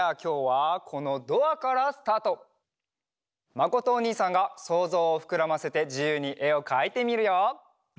まことおにいさんがそうぞうをふくらませてじゆうにえをかいてみるよ！